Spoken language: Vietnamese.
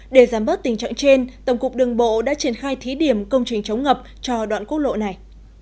để giảm bớt tình trạng trên tổng cục đường bộ đã triển khai thí điểm công trình chống ngập cho đoạn quốc lộ này